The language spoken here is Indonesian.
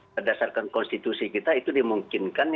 berdasarkan konstitusi kita itu dimungkinkan